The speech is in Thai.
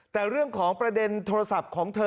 แต่เรื่องของประเด็นโทรศัพท์ของเธอ